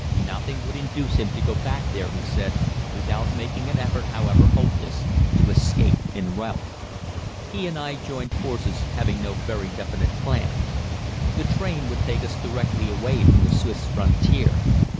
Nothing would induce him to go back there, he said, without making an effort, however hopeless, to escape en route. He and I joined forces, having no very definite plans. The train would take us directly away from the Swiss frontier.